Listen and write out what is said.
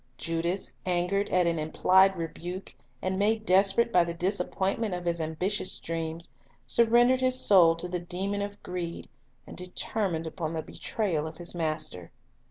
Judas, angered at an implied rebuke, and made desperate by the disappointment of his ambitious dreams, surrendered his soul to the demon of greed, and determined upon the betrayal of his Master.